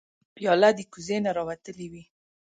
پیاله د کوزې نه راوتلې وي.